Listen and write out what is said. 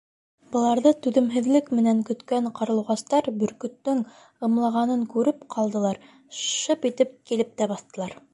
Быларҙы түҙемһеҙлек менән көткән ҡарлуғастар бөркөттөң ымлағанын күреп ҡалдылар, шып итеп килеп тә баҫтылар.